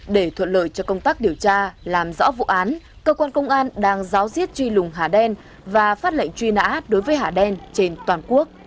để thuận lợi cho công tác điều tra làm rõ vụ án cơ quan công an đang giáo diết truy lùng hà đen và phát lệnh truy nã đối với hà đen trên toàn quốc